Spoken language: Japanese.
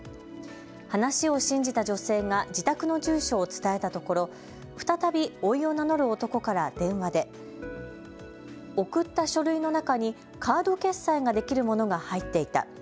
話を信じた女性が自宅の住所を伝えたところ再びおいを名乗る男から電話で送った書類の中にカード決済ができるものが入っていた。